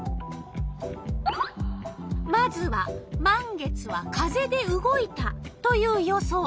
まずは「満月は風で動いた」という予想。